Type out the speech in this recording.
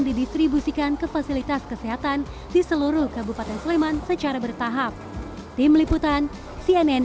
didistribusikan ke fasilitas kesehatan di seluruh kabupaten sleman secara bertahap tim liputan cnn